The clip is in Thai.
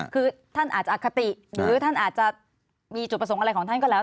คือท่านอาจจะอคติหรือท่านอาจจะมีจุดประสงค์อะไรของท่านก็แล้ว